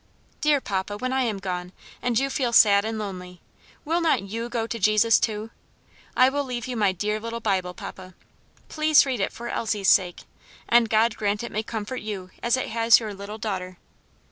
Dear papa, when I am gone, and you feel sad and lonely, will not you go to Jesus, too? I will leave you my dear little Bible, papa. Please read it for Elsie's sake, and God grant it may comfort you as it has your little daughter.